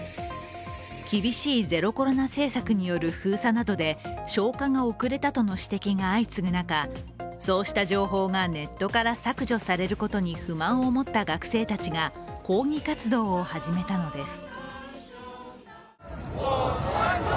厳しいゼロコロナ政策による封鎖などで消火が遅れたとの指摘が相次ぐ中そうした情報がネットから削除されることに不満を持った学生たちが抗議活動を始めたのです。